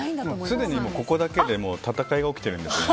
すでにここだけで戦いが起きてるんですよね。